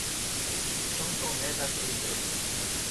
São Tomé das Letras